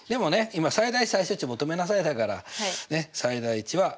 今最大値・最小値求めなさいだからねっ最大値はなし。